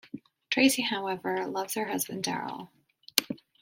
Tracey, however, loves her husband, Darryl.